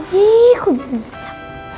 wih kok bingesan